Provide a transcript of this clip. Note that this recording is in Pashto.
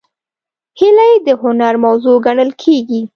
هیلۍ د هنر موضوع ګڼل کېږي